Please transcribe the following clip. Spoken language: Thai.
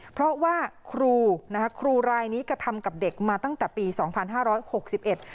เพราะว่าครูนะคะครูรายนี้กระทำกับเด็กมาตั้งแต่ปีสองพันห้าร้อยหกสิบเอ็ด